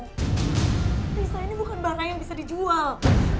pisau ini bukan barang yang bisa dijual